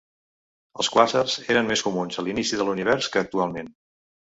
Els quàsars eren més comuns a l'inici de l'univers que actualment.